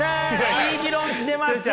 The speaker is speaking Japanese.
いい議論してますね。